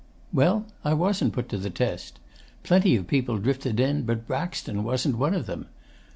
'Well, I wasn't put to the test. Plenty of people drifted in, but Braxton wasn't one of them.